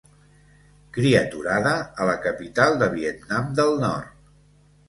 Criaturada a la capital de Vietnam del Nord.